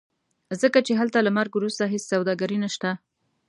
ځکه چې هلته له مرګ وروسته هېڅ سوداګري نشته.